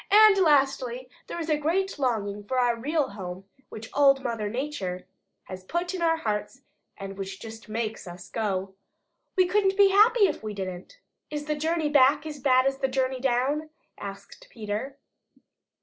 And lastly there is a great longing for our real home, which Old Mother Nature has put in our hearts and which just MAKES us go. We couldn't be happy if we didn't." "Is the journey back as bad as the journey down?" asked Peter.